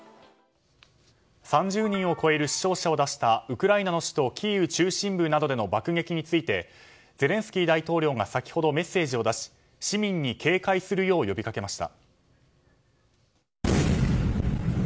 ３０人を超える死傷者を出したウクライナ中心部キーウなどでの爆撃についてゼレンスキー大統領が先ほど、メッセージを出し市民に警戒するよう呼びかけました。